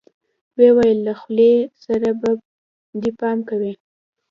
ويې ويل له خولې سره به دې پام کوې.